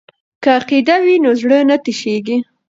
که عقیده وي نو زړه نه تشیږي.